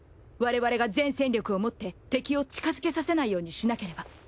我々が全戦力をもって敵を近づけさせないようにしなければ。